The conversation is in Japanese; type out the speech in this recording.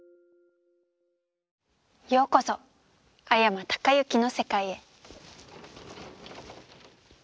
ようこそ阿山隆之の世界へ。